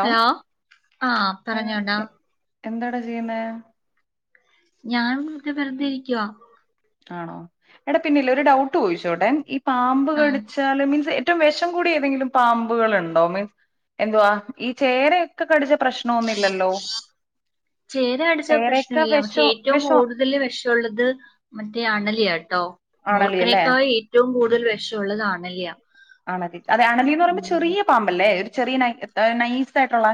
Hello ആഹ് ആ, പറഞ്ഞോണ്ടാ എ- എന്താടാ ചെയ്യുന്നേ ഞാൻ ഇവിടെ വെറുതെ ഇരിക്കുവാ ആണോ എടാ പിന്നെല്ലെ ഒരു ഡൗട്ട് ചോയിച്ചോട്ടെ ഈ പാമ്പ് ആ കടിച്ച് ച്ചാൽ മീൻസ് ഏറ്റവും വിഷം കൂടിയ ഏതെലും പാമ്പുകൾ ഉണ്ടോ മീൻസ് എന്തുവാ ഈ ചേരയൊ യൊക്കെ കടിച്ച പ്രശ്നൊന്നില്ലല്ലോ ചേര ചേരൊക്കെ വെശോ വെശോ വല്ല്യേ വെശുള്ളത് മറ്റേ അണലിയാട്ടോ അണലി അല്ലേ മൂർഖനേക്കായ് ഏറ്റവും കൂടുതൽ വിഷമുള്ളതാണല്ലയ അതെ അണലിന്ന് പറയുമ്പോ ചെറിയ പാമ്പല്ലേ ഒരു ചെറ നൈസ് ആയിട്ടുള്ള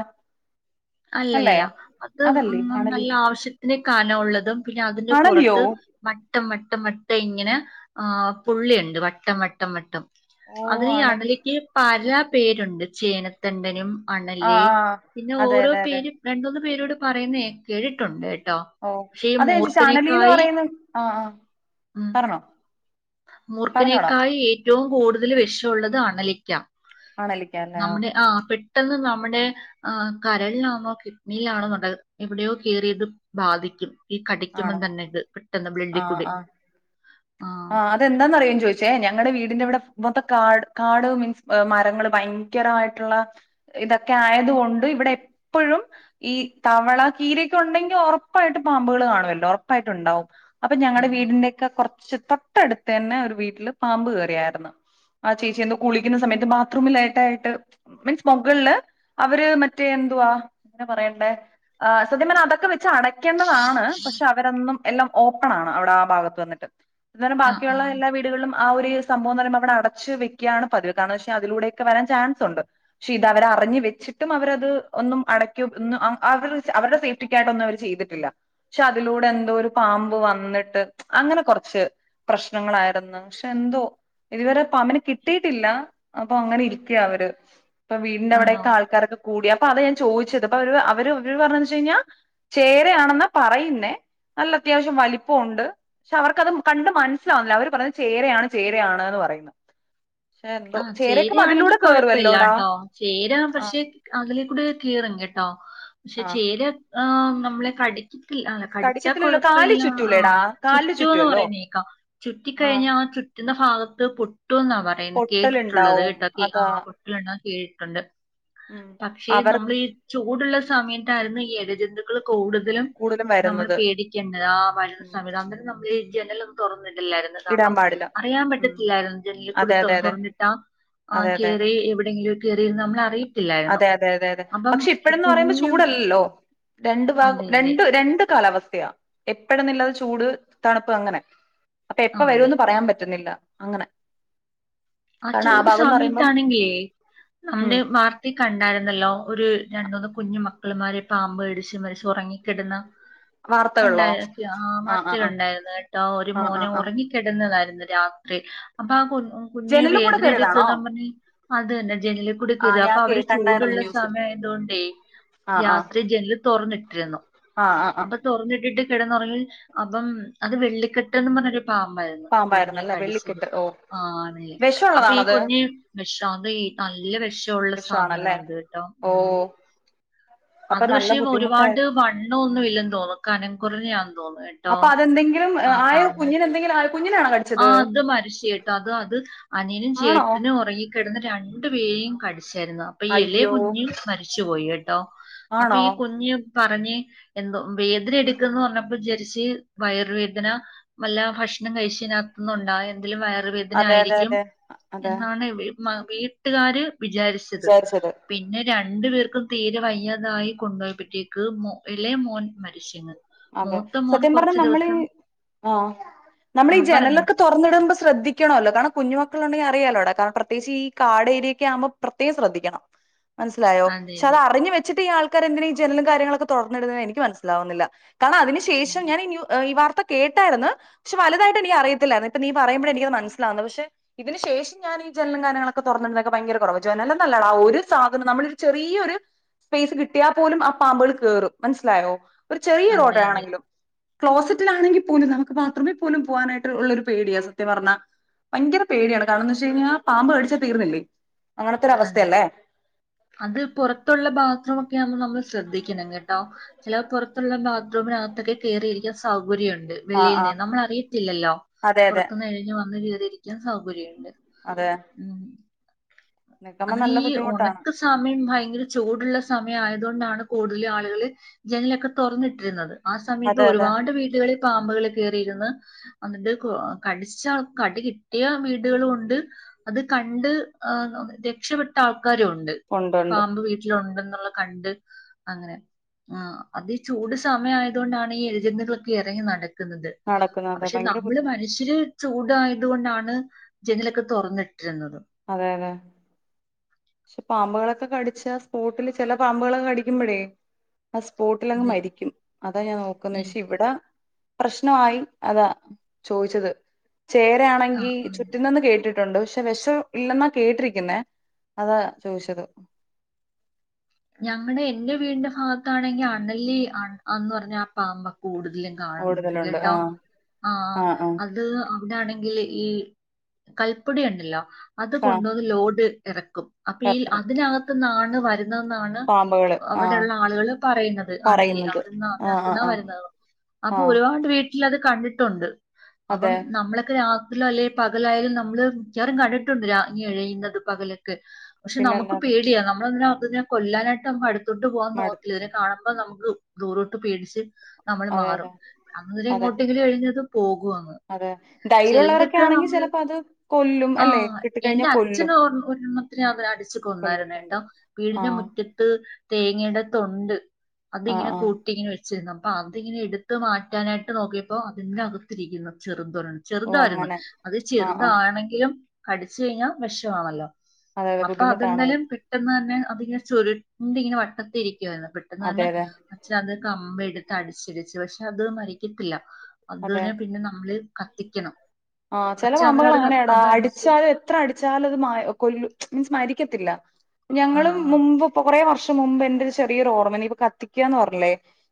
അല്ലേ അല്ലല്ല അത് ഉം അതല്ലേ അണലി നല്ല ആവശ്യത്തിനെ കാനാന ഉുള്ളതും പിന്നെ അതിന്റെ അണലിയോ പുറത്ത് വട്ടം വട്ടം വട്ടം ഇങ്ങനെ ആഹ് പുള്ളിയുണ്ട് വട്ടം വട്ടം വട്ടം ഓ അതിനീ അണലി അണലിക്ക് പല പേരുണ്ട് ചേനത്തണ്ടനും ആ അണലീ ആ പിന്നെ അതെ ഓരോ അതെ അതെ പേരും രണ്ടൂന്ന് പേരൂടെ പറയുന്ന കേട്ടിട്ടുണ്ട് ട്ടോ ഓഹ് അത ഞാൻ ചോദിച്ചേ അണലീന്ന് പറയുന്ന ആഹ് ആഹ് ഉം പറഞ്ഞോ പറഞ്ഞോടാ മൂർഖനേക്കായി ഏറ്റവും കൂടുതല് വിഷൊള്ളത് അണലിക്കാ ആണലിക്കാല്ലേ നമ്മടെ ഓക്കെ ആഹ് ഓക്കെ പെട്ടെന്ന് നമ്മടെ ആഹ് കരളിലാന്നോ കിഡ്നിയിലാണോന്നുണ്ട് എവിടെയോ കയറി ഇത് ബാധിക്കും ഈ കടിക്കുമ്പം ആണോ തന്നെ ഇത് പെട്ടന്ന് ആഹ് ബ്ലഡിക്കുടി ആഹ് ആഹ് അതെന്താന്നറിയൊ ചോദിച്ചേ ഞങ്ങടെ വീടിന്റെവിടെ മൊത്തം കാട് കാട് മീൻസ് അഹ് മരങ്ങള് ഭയങ്കരമായിട്ടുള്ള ഇതൊക്കെ ആയതുകൊണ്ട് ഇവിടെ എപ്പഴും ഈ തവള കീരിയൊക്കെ ഒണ്ടെങ്കി ഒറപ്പായിട്ടും പാമ്പുകള് കാണുവല്ലോ ഒറപ്പായിട്ടൊണ്ടാവും അപ്പൊ ഞങ്ങടെ ഉം. വീടിന്റെയൊക്കെ കൊറച്ച് തൊട്ടടുത്തന്നെ ഒരു വീട്ടില് പാമ്പ് കേറിയാരുന്ന് ആ ചേച്ചി എന്തോ കുളിക്കുന്ന സമയത്ത് ബാത്രൂമിലേട്ടായിട്ട് മീൻസ് മൊകൾല് അവര് മറ്റേ എന്തുവാ എങ്ങന പറയണ്ടേ ആഹ് സത്യം പറഞ്ഞ അതൊക്കെ വെച്ച് അടയ്ക്കേണ്ടതാണ് പക്ഷെ അവരന്നും എല്ലാം ഓപ്പണാണ് അവിടെ ആ ഭാഗത്ത് വന്നിട്ട് അന്നേരം ആ ആ ബാക്കിയൊള്ള എല്ലാ വീ ടുകൾലും ആ ഒരു സംഭവംന്ന് പറയുമ്പ അവിടെ അടച്ച് വെക്കാണ് പതിവ് കാരണം എന്താന്ന് വെച്ച അതിലൂടേക്ക വരാൻ ചാൻസൊണ്ട് പക്ഷെ ഇത് അവരറിഞ്ഞ് വെച്ചിട്ടും അവരത് ഒന്നും അടയ്ക്കു ഒന്നും അഹ് അഹ് അവ അവരുടെ സ്ഥി [unintelligible] ട്ടൊന്നും അവര് ചെയ്തിട്ടില്ല പക്ഷെ അതിലൂടെ എന്തോ ഒരു പാമ്പ് വന്നിട്ട് അങ്ങനെ കൊറ ച് പ്രശ്നങ്ങളായിരുന്ന് പക്ഷെ എന്തോ ഇതുവരെ പാമ്പിനെ കിട്ടിയട്ടില്ല അപ്പൊ അങ്ങനെ ഇരിക്ക്യാ അവര് അപ്പ ആണോ വീടിന്റെവിടെയക്ക ആൾക്കാരക്ക കൂടി അപ്പ അതാ ഞാൻ ചോദിച്ചത് അപ്പ അവര് അവര് അവര് പറഞ്ഞ എന്താന്ന് വെച്ച് കഴിഞ്ഞാ ചേരയാണെന്നാ പറയുന്നേ നല്ല അത്യാവശ്യം വലിപ്പവൊണ്ട് പക്ഷെ അവർക്കത് കണ്ട് മനസ്സിലാവുന്നില്ല അവര് പറഞ്ഞ് ചേരയാണ് ചേരയാണ്ന്ന് പറയുന്ന് ആഹ് ചേരയാണെങ്കി കേറുവല്ലോടാ കൊഴപ്പില്ലാട്ടോ ചേരാ ആഹ് പക്ഷെ അതിലേക്കൂടെ കേറും കേട്ടോ പക്ഷെ ആഹ് ചേര ആഹ് നമ്മളെ കടി ക്കത്തില്ല അഹ് കടിച്ചാ കടിക്കത്തില്ലല്ലോ കാലി കുഴപ്പവില്ല ചുറ്റൂലേടാ ആഹ് കാലില് ചുറ്റുവന്ന് ചുറ്റുവല്ലോ പറയുന്ന കേക്കാം ചുറ്റിക്കഴിഞ്ഞ ആഹ് ആ ചു ക്കുന്ന ഭാഗത്ത് പൊട്ടൂന്നാ പറയുന്ന കേട്ടിട്ടുള്ളത് പൊട്ടലുണ്ടാവും കേട്ടൊ അതാ ആഹ് [unintelligible] കേട്ടിട്ടൊണ്ട് ഉം പക്ഷേ അവർ നമ്മളീ ചൂടുള്ള സമയത്തായിരുന്നു ഈ എഴജന്തുക്കള് കൂടുതലും കൂടുതലും നമ്മള് വരുന്നത് പേടി ‌ക്കിന്നെ ആഹ് മഴ ഉം സമയത്ത് അന്നേരം നമ്മളീ ജനലൊ തൊറന്നിടില്ലായിരുന്നു ഇടാൻ കാരണം പാടില്ല അറിയാൻ ഉം പറ്റത്തില്ലായിരുന്നു ജനലിക്കൂടി അതെ തൊ അതെ അതെ തൊറന്നിട്ടാ ആഹ് അതെ അതെ അതെ കേറി എവിടെങ്കിലൊക്കെ കേറിരുന്നാ നമ്മളറിയത്തില്ലായിരുന്നു അതെ അതെ അതെ അതെ അപ്പം പക്ഷെ ഇപ്പഴന്ന് പറയുമ്പോ കുഞ്ഞു ചൂടല്ലല്ലോ രണ്ട് അതെ [unintelligible] അതെ രണ്ട് രണ്ട് കാലാവസ്ഥയാ എപ്പഴന്നില്ലാതെ ചൂട് തണുപ്പ് അങ്ങനെ അപ്പൊ എപ്പ ആ അതെ വരുവന്ന് പറയാൻ പറ്റുന്നില്ല അങ്ങനെ ആ കാരണം ചൂട് ഭാഗംന്ന് പറയുമ്പം സമയത്താണെങ്കേ ഉം നമ്മടെ വാർ ത്തി കണ്ടായിരുന്നല്ലോ ഒരു രണ്ടൂന്ന് കുഞ്ഞു മക്കളുമാരെ പാമ്പ് കടിച്ചു മരിച്ചു ഉറങ്ങിക്കിടന്ന വാർത്തകളിലോ കണ്ടായി ആഹ് ആ ആ ആ വാർത്തേലൊണ്ടായിരുന്നു കേട്ടോ ഒരു ആ ആ മോന് ആ ഒറങ്ങി കെടന്നതായിരുന്നു രാത്രി അപ്പൊ ആ കു കുഞ്ഞിന് ജനല് കൂടെ വേദന കേറിയതാണോ എടുക്കുന്നന്നും പറഞ്ഞ് അത് തന്നെ ജനലീക്കൂടി ആ കേറിയതാ ഞാൻ അപ്പൊ കേ അവര് കണ്ടായിരുന്നു ചൂടുള്ള ന്യൂസ് സമയം ആയതുകൊണ്ടേ രാത്രി ജനല് തൊറന്നിട്ടിരുന്നു ആഹ് ആഹ് അഹ് തുറന്നിട്ടിട്ട് കെടന്നൊറങ്ങി അപ്പം അത് വെള്ളിക്കെട്ട് എന്നും പറഞ്ഞൊരു പാമ്പായിരുന്നു പാമ്പായിരുന്നല്ലേ വെള്ളിക്കൊട്ട് ആഹ് അപ്പൊ ഈ കുഞ്ഞ് വെഷം അത് ഈ നല്ല വെഷവൊള്ള സാധനവാ അത് കേട്ടോ ഉം ഓഹ് അത് പക്ഷേ ഒരുപാട് ബുദ്ധിമുട്ടായിരുന്നു വണ്ണോന്നും ഇല്ല തോന്നും കനംകുറഞ്ഞ അപ്പൊ അതെന്തെങ്കിലും ആ കുഞ്ഞിനെ എന്തെങ്കിലും കുഞ്ഞിന ആണ കടി ആ അത് മരച്ച ചേട്ട അത് അത് അനയനും ആണോ ചേട്ടനും ഉറങ്ങി കിടന്ന് രണ്ടു പേരേം കടിച്ചായിരുന്നു അപ്പൊ ഈ ഇലയ അയ്യോ കുഞ്ഞ് മരിച്ചു പോയി കേട്ടോ അപ്പൊ ആണോ ഈ കുഞ്ഞ് പറഞ്ഞ് എന്തോ വേദന എടുക്കന്ന് പറഞ്ഞപ്പോ വിചാരിച്ച് വയറുവേദന വല്ല ഭക്ഷണം കഴിച്ചു ഇനിനാത് ത്തുന്നുണ്ടാ എന്തേലും വയറുവേദന അതെ അതെ ആയിരിക്കും അതെ അതെ എന്നാണ് മാ വീട്ടുകാര് വിചാരിച്ചത് പിന്നെ രണ്ടു പേർക്കും തീരെ വയ്യാതായി കൊണ്ടുപോയപ്പോഴത്തേക്ക് മോ ഇളയ മോൻ മരിച്ചു അതെ സത്യം പറഞ്ഞ നമ്മൾീ ആ ആ നമ്മളീ പറഞ്ഞോ ജനലൊക്കെ തുറന്നിടുമ്പോൾ ശ്രദ്ധണമല്ലോ കണം കുഞ്ഞുക്കൾുണ്ടെിൽ അിയമോ കാരണം പ്രത്കിച്ച് ഈ കാ ടൂ ഏരിയൊക്ക ആകുമ്പൾ പ്രത്യേക ശ്രദിക്കണം മനസ്സിലായോ അതെ പഷേ അത് അതെ അറിഞ് വെച്ചട്ട് ഈ ആൾക്കാര്ന്തിന ജനലും കാര്യങ്ങളൊക്കെ തുറന്നിടുന്നുന്നത് എനിക്ക് മനസ്സിലാവുന്നില്ല കാരണം അതിനു ഉം. ശേഷം ഞാൻ ഈ വാർത്ത കേട്ടായിരുന്നു പക്ഷെ വലുതായിട്ട്നക്ക് അറയിത്തില്ലായിരുന്നു ഇപ്പ നീ പറയുമ്പഴ എനിക്ക അത് മനസ്സിലാവുന്നു പക്ഷെ ഇതിന് ശേഷം ഞാൻ ഈ ജലനം ഗാനങ്ങളൊക്കെ തുറന്നിരുന്നൊക്കെ ഭയങ്കര കുറവ് ജോലല്ലട ആ ഒരു സാധനം നമ്മള ഒരു ചെറിയൊരു സ്പേസ് കിട്ടിയാൽ പോലും ആ പാമ്പുകൾ കേയറും മനസ്സിലായോ ഒരു ചെറിയ റോട്ട അതെ ക്ലോസറ്റിലാണെങ്കിൽ പോലും നമുക്ക് ബാത്റൂമിൽ പോലും പോവാനായിട്ട് ഉള്ള ഒരു പേടിയാ സത്യ പറഞ്ഞാൽ ഭയങ്കര പേടിയാണ് കാരണം എന്ന് വെച്ച് കഴിഞ്ഞാൽ പാമ്പ് മേടിച്ച തീർന്നില്ലേ അങ്ങനത്തെൊര അതെ അവസ്ഥയല്ലേ അത് പുറത്തുള്ള ബാത്റൂമ ഒക്കെ ആകുമ്പോ നമ്മൾ ശ്രദ്ധിക്കണം കേട്ടോ ചില പുറത്തുള്ള ബാത്റൂമിനകത്തൊക്കെ കയറിയിരിക്കാൻ സൗകര്യംണ്ട് ആഹ് വെള്ളിയിൽ നി ആഹ് നമ്മള അറിയത്തില്ലല്ലോ അതെ അതെ പുറത്തു നിന്ന് കഴിഞ്ഞ് വന്ന് ചെയീതിരിക്കാൻ സൗകര്യമുണ്ട് അതെ നിക്കുമ്പോ നല്ല ബുദ്ധിമുട്ടാണ് [unintelligible] സമയം ഭയങ്കര ചൂടുള്ള സമയം ആയതത് കൊണ്ടാണ് കൂടുതൽ ആളുകള് ജനലൊക്കെ തുറന്നിട്ടിരുന്നത് ആ സമയത്ത് അതെ അതെ ഒരുപാട് വീടുകളിൽ പാമ്പുകൾ കേയറിയിരുന്ന് എന്നിട്ട് കടിച്ച കടി കിട്ടിയ വീടുകൾ കൊണ്ട് അത് കണ്ട് ആഹ് രക്ഷപ്പെട്ട ആൾക്കാരു ഉണ്ട് പാമ്പ് വീ ഉണ്ടെന്നുള്ള കണ്ട് അങ്ങനെ ആ അത് ചൂട് സമയം ആയത കൊണ്ടാണ് ഈ ഏഴജന്തുകളൊക്കെ ഇറങ്ങി നടക്കുന്നത് നടക്കുന്നു ണ്ട് അതെ പക്ഷെ ഭയങ്കര നമ്മള് ബുദ്ധിമുട്ട് മനുഷില് ചൂടായതുക കൊണ്ടാണ് ജനിലൊക്കെ തുറന്നിട്ടിരുന്നുന്നത് അതെ അതെ പക്ഷെ പാമ്പുകളൊക്കെ കടിച്ചാ സ്പോട്ടില് ചില പാമ്പുകളൊക്കെ കടിക്കുമ്പോഴേ ആ സ്പോട്ടിൽ അങ്ങ് അത് മരിക്കും അതാ ഞാൻ നോക്കന്ന് പച്ചെ എനിക്ക് ഇവിടെ പ്രശ്നമായി അതാ ചോദിച്ചത് ആ ചേരയാണെങ്കിൽ ആ ചുറ്റുന്നന്ന് കേട്ടിട്ട് ണ്ട് പക്ഷെ വിഷം ഇല്ലെന്നാ കേട്ടിരിക്കുന്നേ അതാ ചോദിച്ചത് ഞങ്ങുടെ എൻന്റെ വീടിന്റെ ഭാഗത്താണെങ്കി അണലിന്ന് പറഞ്ഞ ആ പാമ്പ കൂടുതല കാണുന്നത് കൂടുതലുണ്ട് കേട്ടോ ആഹ് ആഹ് അ - അത് അവിടൊണെങ്കിൽ ഈ കൽപ്പൊടി ഉണ്ടല്ലോ അത് കാ കൊണ്ടന്ന് ലോഡ് ഇറക്കും അപ്പൊ ഈ എറക്കും അതിനകത്ത് നാണ് വര ണ് പാമ്പുകള് ആഹ് അവിടെള്ള ആളുകള് പറയുന്നത് ആണ് പറയുന്നത് അവിടെന്ന് ആഹ് ആഹ് നടത്തുന്നാ ആഹ് വരുന്നത് അപ്പൊ ആഹ് ഒരുപാട് വീട്ടിൽ അത് കണ്ടിട്ടുണ്ട് അപ്പം അതെ നമ്മളൊക്കെ രാ ത്രി അല്ലെ പകലായാലും നമ്മള് മിക്കാറും കണ്ടിട്ടുണ്ട് രാങ്ങി എഴയുന്നത് പകലൊക്കെ പക്ഷെ നമുക്ക് പിന്നല്ലാതെ പേടിയ നമ്മളെ അതിനെ കൊല്ലാനായിട്ട് നമ്മു അടുത്തോണ്ട് പോകാൻ മടു നോക്കില്ല ഇതിനെ കാണ അപ്പ നമുക്ക് ദൂരോട്ട് പേടിച്ച് നമ്മള് അതെ മാറും അതെ അവര് അതെ എങ്ങോട്ടെങ്കിലും എഴഞ്ഞതും പോകുവാന്ന് അതെ ധൈര്യമുള്ളവരൊക്കെ ചെൽതൊക്കെ ആണെങ്കി നമ്മള് ചെലപ്പോ അത് കൊല്ലും അല്ലെ ആഹ് കിട്ടിക്കഴിഞ്ഞാ എന്റെ അച്ഛൻ കൊല്ലും ഓ ഒരണ്ണം ഇനി അവര് അടിച്ച് കൊന്നായിരുന്ന ട്ടോ കൊല്ലിട്ടുണ്ട് വീടിൻ്റെ ആഹ് മുറ്റത്ത് തേങ്ങയുടെ തൊണ്ട് ആഹ് അതിങ്ങനെ കൂ ആഹ് ട്ടി ഇങ്ങനെ വെച്ചിരുന്നു അപ്പൊ അതിങ്ങനെ എടുത്ത് മാറ്റാനായിട്ട് നോക്കിയപ്പോ അതിന്റെകത്തിരിക്കുന്നു ചെറുതൊരണ്ണം ഓ ചെറുതായിരുന്നു അങ്ങനെ അത് ആഹ് ആഹ് ചെറുതാണെങ്കിലും കടിച്ചു കഴിഞ്ഞാൽ വെഷോണല്ലോ അതെ അതെ അപ്പൊ ബുദ്ധിമുട്ടാണത് അതെന്തലും പെട്ടെന്ന് തന്നെ അതിങ്ങനെ ചുരുണ്ട് ഇങ്ങനെ വട്ടത്തിരിക്കുവായിരുന്നു പെട്ടെന്ന് അതെ തന്നെ അതെ അച്ഛൻ അത് കമ്പ് എടുത്ത് അടിച്ചിടിച്ച് പക്ഷെ അത് മരിക്കത്തില്ല അതെ അതിനെ പിന്നെ നമ്മള് കത്തിക്കണം ആഹ് ചെല അച്ഛൻ അന്നേരം പാമ്പകൾ അത് കത്ത് അങ്ങനെയാടാ അത് അടിച്ച് അടിച്ചാല് എത്ര അടിച്ചാലത് മ കൊലു മീൻസ് മരിക്കത്തില്ല ആ ഞങ്ങളും മുമ്പ് കൊറേ വർഷ തൊട്ട് മുമ്പ് എന്റെ ചെറിയരു ഓർമ്മ ഇനി കത്തിക്കാന്ന് പറഞ്ഞില്ലേ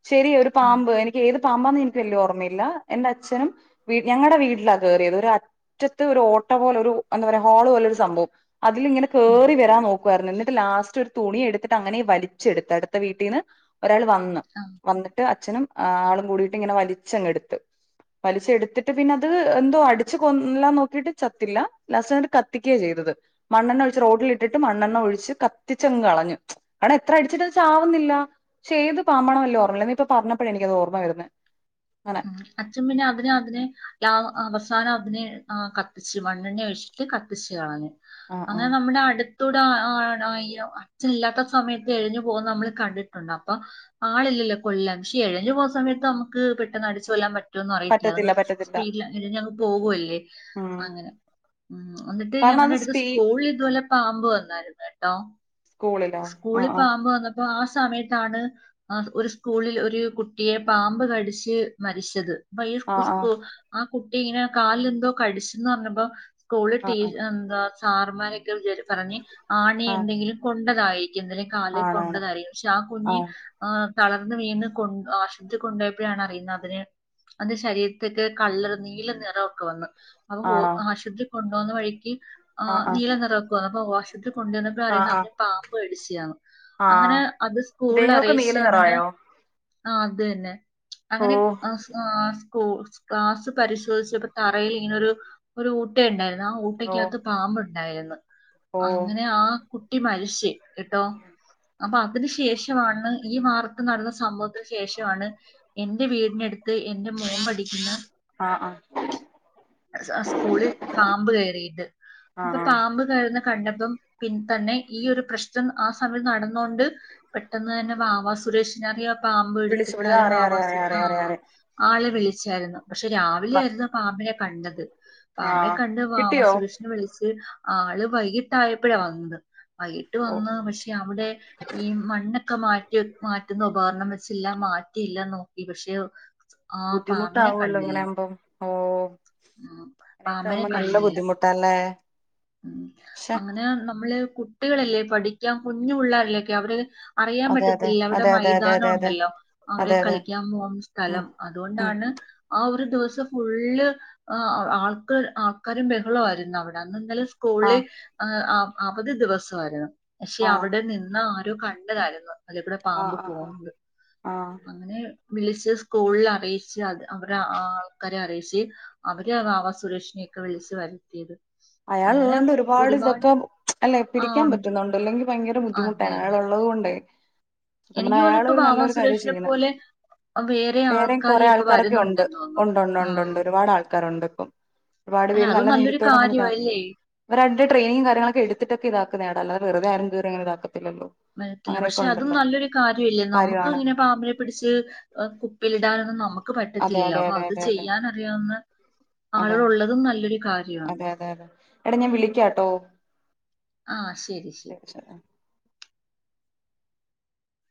ശരിയ ഒരു ആ പാമ്പ് എനി ഏത് പാമ്പാന്ന് എനിക്ക് വലിയ ഓർമ്മയില്ല എന്റെ അച്ഛനും വി ഞങ്ങളുടെ വീട്ടില കേറിയത് ഒരു അറ്റത്ത് ഒരു ഓട്ട പോലെ ഒരു എന്താ പറയാ ഹോള് പോലെ ഒരു സംഭവം അതിൽ ഇങ്ങനെ ഉം കേറി വരാൻ നോ കുവർന്ന് എന്നിട്ട് ലാസ്റ്റ് ഒരു തുണി എടുത്തിട്ട് അങ്ങനെ വലിച്ചെടുത്ത് അടുത്ത വീട്ടീന്ന് ഒരാൾ വന്ന് അഹ് വന്നിട്ട് അചനും ആളും കൂടിട്ട് ഇങ്ങനെ വലിച്ചങ് എടുത്ത് വലിച്ചെടുത്തിട്ട് പിന്നെ അത് എന്തോ അടിച്ചു കൊല്ലാൻ നോക്കിട്ട് ചത്തില്ല ലാസ്റ്റ്ങ്ട്ട് കത്തിക്ക്യാ ചെയ്തത് മണ്ണെണ്ണ ഒഴിച്ച് റോട്ടിലിട്ടിട്ട് മണ്ണെണ്ണ ഒഴിച്ച് കത്തിച്ചെങ് കളഞ്ഞു കാരണം എത്ര അടിച്ചിട്ടും ചാവുന്നില്ല ക്ഷേത് പാമ്പണല്ലേ ഓർമയില്ല നീയിപ്പോ പർഞ്ഞപ്പഴേ എനിക്ക് അത് ഓർമ്മ വരുന്നേ അങ്ങനെ ഉം അച്ഛൻ പിന്നെ അതിനെ അതിനെ അവസാനം അതിനെ കത്തിച്ച് അഹ് മണ്ണെണ്ണ ഒഴിച്ചി ട്ട് കത്തിച്ചു കളഞ് ആ ആ അങ്ങനെ നമ്മുടെ അടു ത്തുട [unintelligible] അച്ഛൻ ഇല്ലാത്ത സമയത്ത് എഴിഞ്ഞു പോകുന്ന നമ്മള് കണ്ടിട്ടുണ്ട് അപ്പൊ ആളില്ലല്ലോ കൊല്ലൻക്ഷെ എഴഞ്ഞു പോസമയത്ത് നമുക്ക് പെട്ടെന്ന് അടിച്ച് കൊല്ലാൻ പ റ്റോന്ന അറിയിത്തില്ല പറ്റത്തില്ല അതങ് പറ്റത്തില്ല സ്പീഡ് എഴഞ്ഞങ് പോകുവല്ലേ ഉം അങ്ങനെ ഉം എന്നിട്ട് കാരണം ഞങ്ങളുടെ അത് അടുത്ത് സ്പീ സ്കൂളിൽ ഇതുപോലെ പാമ്പ് വന്നായിരുന്നു ട്ടോ സ്കൂളിലോ ആ സ്കൂളി ആ പാമ്പ് വന്നാ അപ്പൊ ആ സമയത്താണ് ഒരു സ്കൂളിൽ ഒരു കുട്ടിയെ പാമ്പ് കടിച്ച് മരിച്ചത് ആ ഇപ്പൊ ആ സ്കൂ ആ കുട്ടി ഇങ്ങനെ കാലിന് എന്തോ കടിച്ചന്ന് പർഞ്ഞപ്പോ സ്കൂളിൽ ആ ടീ എന്താ സാർമാരൊക്കെ പറഞ്ഞ് ആണിയെ ആ ആ എന്തെങ്കിലും കൊണ്ടതായിരിക്കും ഇതിലെ കാല് ആണാണ് കൊണ്ടതാറിയു പക്ഷെ ആ കുഞ്ഞ് ആഹ് തളർന്ന് വീണ് കൊ ആശുപത്രിൽ കൊണ്ടയപ്പഴാണ് അറിയുന്നത് തിന് അത് ശരീരത്ത്ക് കള്ളറ നീല നിറൊക്കെ വന്നു അപ്പൊ ആണോ ആശുപത്ര കൊണ്ടോന്ന വഴിക്ക് ആ അഹ് ആ നീല നിറാംക്കുവന്ന് അപ്പൊ ആശു പത്രി കൊണ്ടുവന്നപ്പോ ആ അറിയുന്നേ അത് ആ പാമ്പ് കടിച്ചയാണ് ആ അങ്ങനെ അത് സ്കൂളിൽ ദേഹമൊക്കെ നീല അറിയിച്ച് അങ്ങനെ നിറായോ ആഹ് അതന്നെ ഓ അങ്ങനെ ആഹ് സ്കു ക്ലാസ് പരിശോധിച്ചപ്പോ തറയിൽ ഇങ്ങനൊരു ഒരു ഊട്ട ഉണ്ടായിരുന്നു ആ ഓ ഊട്ടക്കകത്ത് പാമ്പ് ഉണ്ടായിരുന്നു ഓ അങ്ങനെ ആ കുട്ടി മരിച്ച് കേട്ടോ അപ്പൊ അതിനു ശേഷം ഷമാണ് ഈ വാർത്ത നടന്ന സംഭവത്തിന് ശേഷമാണ് എന്റെ വീടിനടു ത്ത് എന്റെ മോൻ പഠിക്കുന്ന ആ ആ സ് സ്കൂളിൽ പാമ്പ് കയറിയിണ്ട് അപ്പൊ ആണോ പാമ്പ് തായിരുന്ന കണ്ടപ്പം പിന്ന തന്നെ ഈ ഒരു പ്രശ്നം ആ സമയം നടന്നൊണ്ട് പെട്ടെന്ന് തന്നെ വാവാ സുരേഷിനറിയാ പാമ്പ് വിളിച്ചു വിളി എടുത്തക്കാരൻ അറിയാം വാവാ അറിയാം അറിയാം സുരേഷ് അറിയാം അറിയാം അഹ് അറിയാം ആളെ വിളിച്ചായിരുന്നു പക്ഷെ രാവിലെ ബാ ആയിരുന്നു പാമ്പിനെ കണ്ടത് ആഹ് പാമ്പിനെ കണ്ട് വാവാ കിട്ടിയോ സുരേഷന് വിളിച്ച് ആള് വൈകിട്ട ആയപ്പോഴണ് വന്നത് വൈകിട്ട് ഓ വന്ന് പക്ഷെ അവിടെ ഈ മണ്ണ് ക്കെ മാറ്റി മാറ്റുന്ന ഉപകരണം വെച്ചില്ല മാറ്റിയില്ലന്ന് നോക്കി പക്ഷെ ആ പാമ്പിനെ ബുദ്ധിമുട്ടാവല്ലോ കണ്ടില്ല അങ്ങനൊകുമ്പം ഓ ഉം. അങ്ങനെയൊക്കെ പാമ്പിനെ ആകുമ്പോ നല്ല കണ്ടില്ല ബുദ്ധിമുട്ട് തന്നെ ഉം അങ്ങനെ നമ്മള് കുട്ടികളല്ലേ പഠിക്കാൻ കുഞ്ഞു പിള്ളരിലൊക്കെ അവര് അറിയാൻ അതെ അതെ പറ്റത്തില്ല അവിടെ അതെ അതെ അതെ മൈതാനം അതെ അതെ ഉണ്ടല്ലോ അവരെ അതെ അതെ കളിക്കാൻ പോകുന്ന ഉം സ്ഥലം ഉം അതുകൊണ്ടാണ് ആ ഒരു ദിവസം ഫുള്ള് ആൾക്ക ആൾക്കാരും ബഹളമായിരുന്നു അവിടെന്ന്ാലും സ്കൂളിൽ ആഹ് അവധി ദിവസമായിയിരുന്നു പക്ഷെ ആഹ് അവിടെ നിന്ന് കണ്ടതായിരുന്നു അതിവിടെ ആഹ് പാമ്പ് ആഹ് ആഹ് പോകണ്ട് ആഹ് അങ്ങനെ വിളിച്ച് സ്കൂളിൽ അറിയിച്ച് അത് അവടെ ആൾക്കാരെ അറിയിച്ച് അവര് വവാ സുരേഷിനെയൊക്കെ വിളിച്ച് വരുത്തിയത് അയാൾ ഉള്ളതോൊണ്ട് ഒരുപാട് ഇതൊക്കെ അല്ലെ ആ പിടിക്കാൻ ഉണ്ട് പറ്റുന്നുണ്ട് അല്ലെങ്കിൽ ഭയങ്കര അതെ ബുദ്ധിമുട്ടാണ് അതെ അയാൾള്ളത് കൊണ്ടെ എനിക്ക് തോന്നുന്നു അയാൾ ഇപ്പൊ ഒരു ബാബാ നല്ലരു കാര്യം സുരേഷിനെ ചെയ്യണം പോലെ വേറെ വേറെയും ആൾക്കാര് കൊറെേ ഇപ്പൊ ആൾക്കാരൊക്കെ ഉണ്ട് വരുന്നുണ്ടെന്ന് തോന്നുന്നു ഉണ്ട്ണ്ട് ആ ഉണ്ട്ണ്ട് ഒരുപാട് ആൾക്കാരുണ്ട് ഇപ്പം ഒരുപാട് പേര് നല്ല ധൈര്യത്തോടെ അങ്ങനെ അല്ലേ അവരുടെ ട്രെനിങ്ങും കാര്ങ്ങളൊക്കെ എടുത്തിട്ടക്കെ ഇതാക്ക നേട അല്ല വെറതരുംരങ്ങെ ഇതാക്കല്ലോ വരത്തില്ല പക്ഷെ അതും നല്ലൊരു കാര്യമില്ല നമുക്ക് കാര്യമാണ് ഇങ്ങനെ പ പിടിച്ച് കുപ്പിലിടാനൊന്നും നമുക്ക് അതെ പറ്റത്തില്ലോ അതെ അ അതെ അത് അതെ അതെ ചെയ്യാൻ അറിയാവുന്ന അതെ ആളുകള്ളതും നല്ലൊരു കാര്യമാണ് അതെ അതെ എടാ ഞാൻ വിളിക്കാട്ടോ ആഹ് ശരി ശരി